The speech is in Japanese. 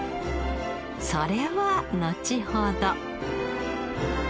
それは後ほど。